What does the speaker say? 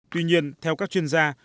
tuy nhiên theo các chuyên gia